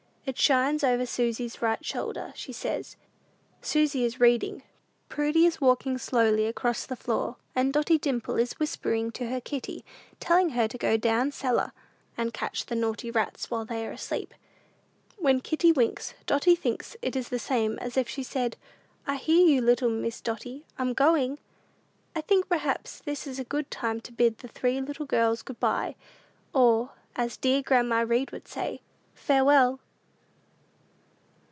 It shines over Susy's right shoulder, she says. Susy is reading, Prudy is walking slowly across the floor, and Dotty Dimple is whispering to her kitty, telling her to go down cellar, and catch the naughty rats while they are asleep. When kitty winks, Dotty thinks it the same as if she said, "I hear you, little Miss Dotty: I'm going." I think perhaps this is a good time to bid the three little girls good by, or, as dear grandma Read would say, "Farewell!"